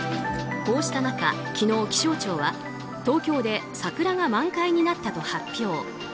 こうした中、昨日気象庁は東京で桜が満開になったと発表。